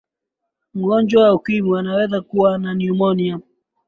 mgonjwa wa ukimwi anaweza kuwa na pneumonia